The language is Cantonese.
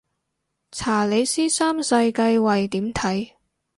查理斯三世繼位點睇